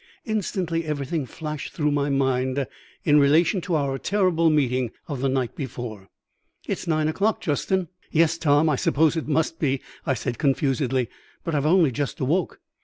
Instantly everything flashed through my mind in relation to our terrible meeting of the night before. "It's nine o'clock, Justin." "Yes, Tom, I suppose it must be," I said confusedly; "but I have only just awoke."